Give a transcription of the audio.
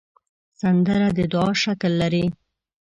سندره د دعا شکل لري